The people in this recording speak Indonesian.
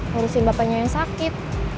harusin bapaknya yang sakit